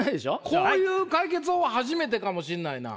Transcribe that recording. こういう解決法初めてかもしんないな。